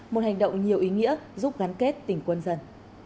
một hành động nhiều ý nghĩa giúp gắn kết tình quân dân